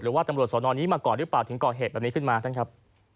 หรือว่าตำรวจสอนอนนี้มาก่อนหรือเปล่าถึงก่อเหตุแบบนี้ขึ้นมาท่านครับ